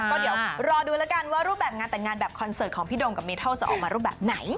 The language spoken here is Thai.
ก็เดี๋ยวรอดูแล้วกันว่ารูปแบบงานแต่งงานแบบคอนเสิร์ตของพี่โดมกับเมทัลจะออกมารูปแบบไหน